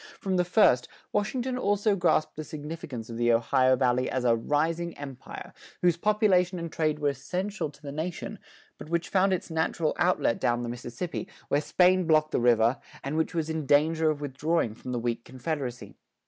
From the first, Washington also grasped the significance of the Ohio Valley as a "rising empire," whose population and trade were essential to the nation, but which found its natural outlet down the Mississippi, where Spain blocked the river, and which was in danger of withdrawing from the weak confederacy.